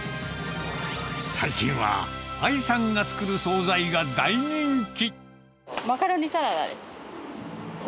最近は、あいさんが作る総菜が大人気。